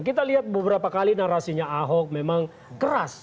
kita lihat beberapa kali narasinya ahok memang keras